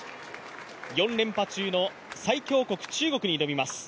４連覇中の最強国・中国に挑みます。